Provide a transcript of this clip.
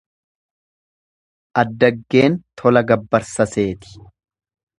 Addaggeen tola gabbarsa seeti.